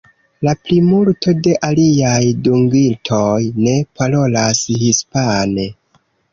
La plimulto de iliaj dungitoj ne parolas hispane.